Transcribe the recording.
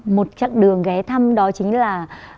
một chặng đường ghé thăm đó chính là